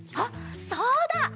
あっそうだ！